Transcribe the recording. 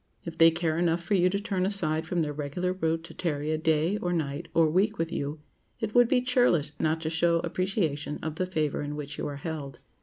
If they care enough for you to turn aside from their regular route to tarry a day, or night, or week with you, it would be churlish not to show appreciation of the favor in which you are held.